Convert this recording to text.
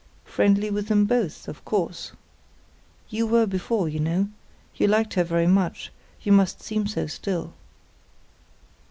"Friendly with them both, of course. You were before, you know; you liked her very much—you must seem to still."